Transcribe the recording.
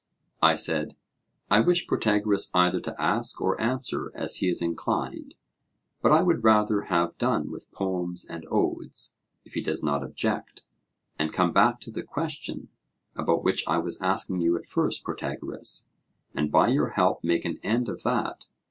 I said: I wish Protagoras either to ask or answer as he is inclined; but I would rather have done with poems and odes, if he does not object, and come back to the question about which I was asking you at first, Protagoras, and by your help make an end of that.